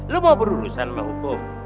lu mau berurusan sama hukum